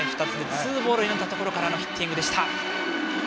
ツーボールになったところからのヒッティングでした。